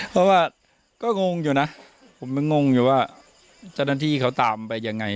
เพราะว่าก็งงอยู่นะผมยังงงอยู่ว่าเจ้าหน้าที่เขาตามไปยังไง